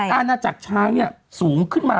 อาณาจักรช้างสูงขึ้นมา